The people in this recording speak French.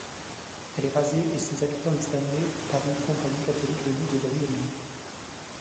Elle est rasée et ses habitants exterminés par une compagnie catholique venue de Brienon.